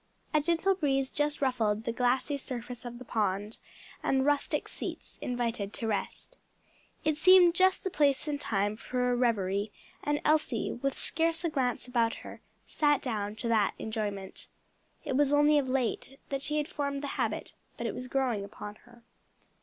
A gentle breeze just ruffled the glassy surface of the pond, and rustic seats invited to rest. It seemed just the place and time for a reverie, and Elsie, with scarce a glance about her, sat down to that enjoyment. It was only of late that she had formed the habit, but it was growing upon her.